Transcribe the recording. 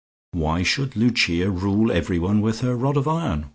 Why should Lucia rule everyone with her rod of iron?